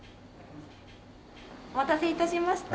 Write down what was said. お待たせ致しました。